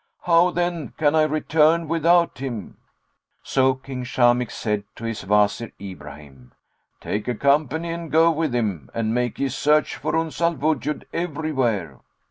How then can I return without him?'" So King Shamikh said to his Wazir Ibrahim, "Take a company and go with him and make ye search for Uns al Wujud everywhere."